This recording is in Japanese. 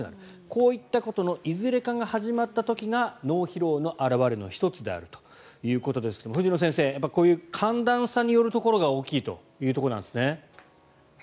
こういったことのいずれかが始まった時が脳疲労の表れの１つであるということですが藤野先生、こういう寒暖差によるところが大きいということなんですね。